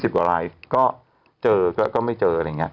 ๒๐กว่าลายก็เจอก็ไม่เจอ